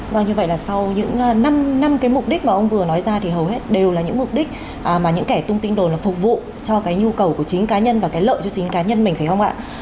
vâng như vậy là sau những năm năm cái mục đích mà ông vừa nói ra thì hầu hết đều là những mục đích mà những kẻ tung tin đồn là phục vụ cho cái nhu cầu của chính cá nhân và cái lợi cho chính cá nhân mình phải không ạ